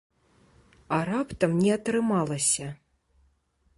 А раптам не атрымалася?